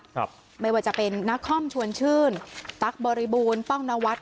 ครับไม่ว่าจะเป็นนักคอมชวนชื่นตั๊กบริบูรณ์ป้องนวัด